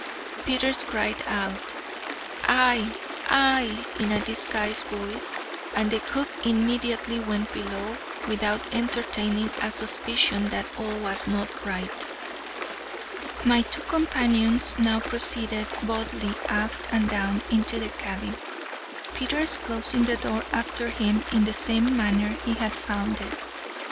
Peters cried out, "Ay, ay," in a disguised voice, and the cook immediately went below, without entertaining a suspicion that all was not right. My two companions now proceeded boldly aft and down into the cabin, Peters closing the door after him in the same manner he had found it.